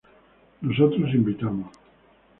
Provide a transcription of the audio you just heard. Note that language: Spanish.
Nosotros invitamos